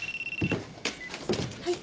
はい。